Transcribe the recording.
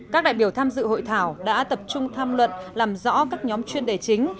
các đại biểu tham dự hội thảo đã tập trung tham luận làm rõ các nhóm chuyên đề chính